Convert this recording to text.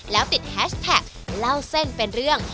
แล้วติดแฮชแท็กเล่าเส้นเป็นเรื่อง